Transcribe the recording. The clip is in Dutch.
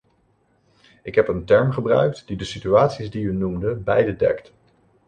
Ik heb een term gebruikt die de situaties die u noemde beide dekt.